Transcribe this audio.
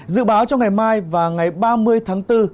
dự báo trong ngày mai và ngày ba mươi tháng bốn